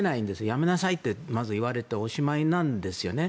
やめなさいって、まず言われておしまいなんですよね。